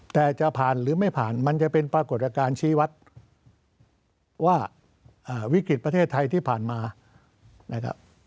แต่จะผ่านหรือไม่ผ่านมันจะเป็นปรากฏการณ์ชี้วัดว่าวิกฤตประเทศไทยที่ผ่านมานะครับ